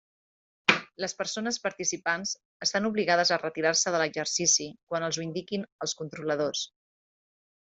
Les persones participants estan obligades a retirar-se de l'exercici quan els ho indiquin els controladors.